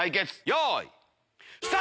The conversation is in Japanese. よい。